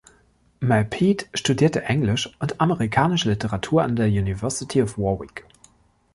Mal Peet studierte Englisch und Amerikanische Literatur an der University of Warwick.